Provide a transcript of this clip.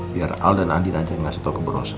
biar al dan andin aja yang ngasih tau ke bu rosa